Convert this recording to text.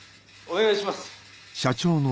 お願いします。